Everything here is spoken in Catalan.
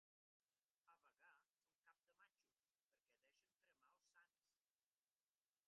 A Bagà són cap de matxos perquè deixen cremar els sants.